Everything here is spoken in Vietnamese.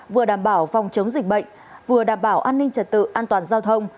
vừa đảm bảo phòng chống dịch bệnh vừa đảm bảo an ninh trật tự an toàn giao thông